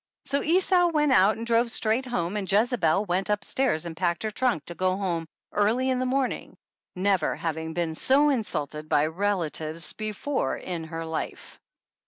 So Esau went out and drove straight home, and Jezebel went up stairs and packed her trunk to go home early in the 70 THE ANNALS OF ANN morning, never having been so insulted by rela tives before in her life.